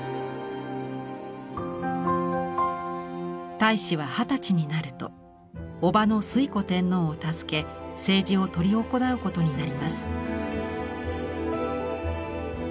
太子は二十歳になると叔母の推古天皇を助け政治を執り行うことになります。